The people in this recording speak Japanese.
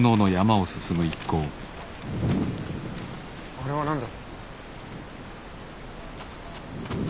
あれは何だ？